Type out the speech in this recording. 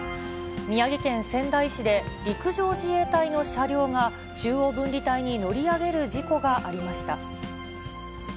宮城県仙台市で陸上自衛隊の車両が、中央分離帯に乗り上げる事故がありました。